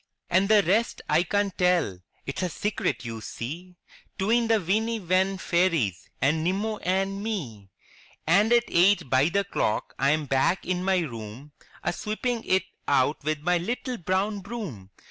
And the rest I can't tell — it's a Secret, you see, 'Tween the Weeny Wen Fairies, and Nimmo and me! And at eight by the clock I am back in my room, A sweeping it out with my little brown broom!